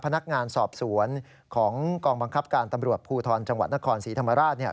พนักงานสอบสวนของกองบังคับการตำรวจภูทรจังหวัดนครศรีธรรมราชเนี่ย